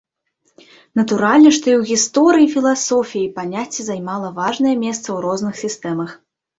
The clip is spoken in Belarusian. Натуральна, што і ў гісторыі філасофіі паняцце займала важнае месца ў розных сістэмах.